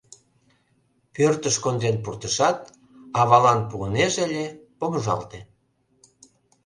Пӧртыш конден пуртышат, авалан пуынеже ыле, помыжалте.